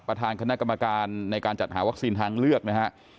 ประธานคณะกรรมการในการจัดหาวัคซีนทางเลือกนะฮะ